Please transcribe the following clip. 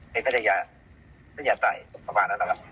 ไปพัทยาพัทยาตายประมาณนั้นแหละครับ